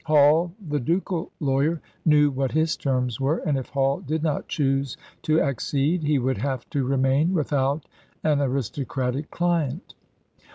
Hall, the ducal lawyer, knew what his terms were, and if Hall did not choose to accede he would have to remain without an aristocratic client.